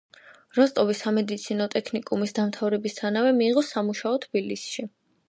როსტოვის სამედიცინო ტექნიკუმის დამთავრებისთანავე მიიღო სამუშაო თბილისში.